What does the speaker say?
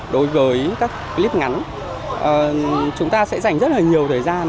đối với các clip ngắn chúng ta sẽ dành rất là nhiều thời gian